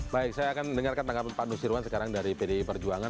baik saya akan dengarkan tanggapan pak nusirwan sekarang dari pdi perjuangan